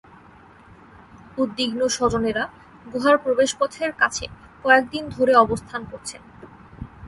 উদ্বিগ্ন স্বজনেরা গুহার প্রবেশপথের কাছে কয়েক দিন ধরে অবস্থান করছেন।